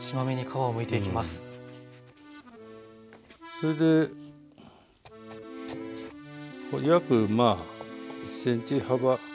それで約１ｃｍ幅。